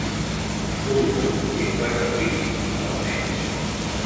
Fulghum té quatre fills i nou nets.